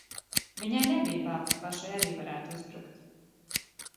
Viņai nebija bail, ka pašai arī varētu uzbrukt.